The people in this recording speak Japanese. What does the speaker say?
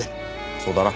そうだな。